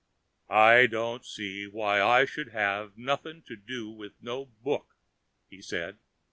"I don't see why I should have nothing to do with no book," he said.